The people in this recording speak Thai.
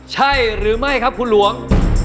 ใช่หรือไม่ครับคุณหลวง